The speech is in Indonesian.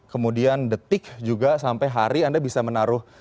kemudian detik juga sampai hari anda bisa menaruh